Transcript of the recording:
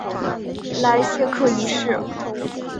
莱谢克一世。